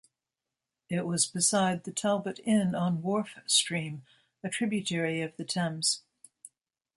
It was beside the Talbot Inn on Wharf Stream, a tributary of the Thames.